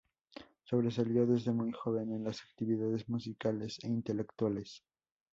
Sobresalió desde muy joven en las actividades musicales e intelectuales.